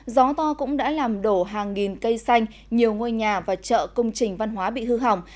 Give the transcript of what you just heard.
gió to cũng đã làm đổ hàng nghìn cây xanh nhiều ngôi nhà và chợ công trình văn hóa bị hư hỏng